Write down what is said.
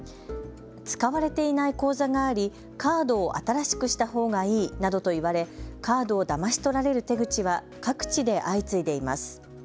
使われていない口座がありカードを新しくしたほうがいいなどと言われカードをだまし取られる手口は各地で相次いでいます。